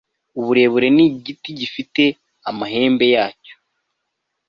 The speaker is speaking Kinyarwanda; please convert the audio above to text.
Uburebure ni igiti gifite amahembe yacyo